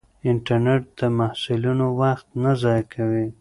انټرنیټ د محصلینو وخت نه ضایع کوي.